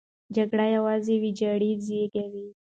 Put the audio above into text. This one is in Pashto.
جګړه یوازې ویجاړۍ زېږوي.